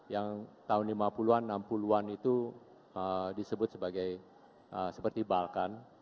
yang tahun lima puluh an enam puluh an itu disebut sebagai seperti balkan